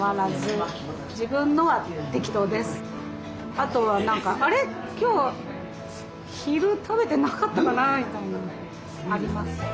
あとは何か「あれ？今日昼食べてなかったかな」みたいなのがあります。